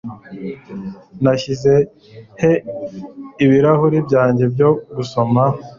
Nashyize he ibirahuri byanjye byo gusoma?